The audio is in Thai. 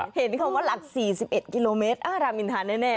เห็นคำว่าหลัก๔๑กิโลเมตรอ้ารามอินทานแน่